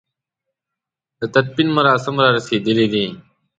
د تدفين مراسم را رسېدلي دي.